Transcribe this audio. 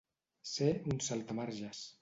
Ser un saltamarges.